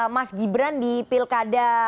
mas gibran di pilkada